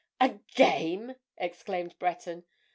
"A game!" exclaimed Breton.